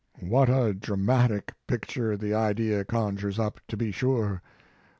What a dramatic Mark Twain picture the idea conjures up, to be sure!